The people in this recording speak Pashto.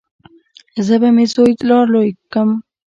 زه به مې زوى رالوى کم.